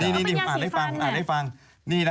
นี่นี่เนี่ยเห็นไหมเนี่ย